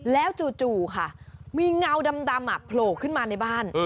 แล้วจู่ค่ะมีเงาดำโผล่ขึ้นมาในบ้าน